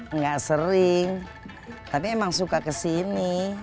enggak sering tapi emang suka kesini